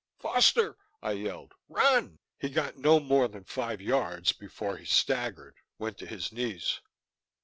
"Foster," I yelled, "run!" He got no more than five yards before he staggered, went to his knees.